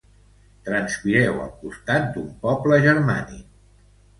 Transpireu al costat d'un poble germànic.